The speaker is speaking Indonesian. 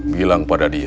bilang pada dia